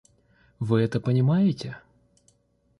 Вы это понимаете?